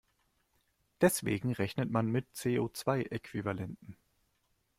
Deswegen rechnet man mit CO-zwei-Äquivalenten.